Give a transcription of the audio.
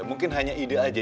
mungkin hanya ide aja